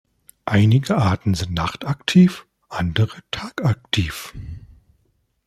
Einige Arten sind nachtaktiv, andere tagaktiv.